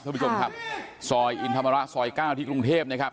ท่านผู้ชมครับซอยอินธรรมระซอย๙ที่กรุงเทพนะครับ